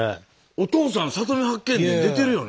お父さん「里見八犬伝」出てるよね？